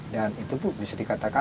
dan itu tuh bisa dikatakan